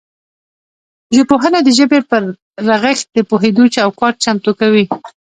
ژبپوهنه د ژبې پر رغښت د پوهیدو چوکاټ چمتو کوي